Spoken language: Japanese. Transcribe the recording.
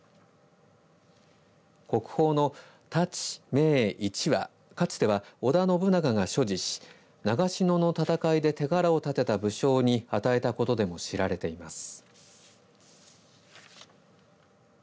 国宝の太刀銘一はかつては、織田信長が所持し長篠の戦いで手柄を立てた武将に与えたことでも知られています。